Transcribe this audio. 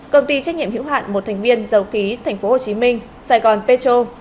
công ty trách nhiệm hữu hạn một thành viên dầu khí tp hcm sài gòn petro